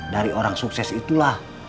dari orang sukses itulah